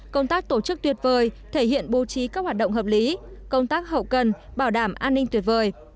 công tác tổ chức tuyệt vời thể hiện bố trí các hoạt động hợp lý công tác hậu cần bảo đảm an ninh tuyệt vời